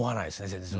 全然。